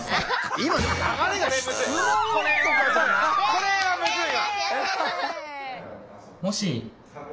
これはむずいわ。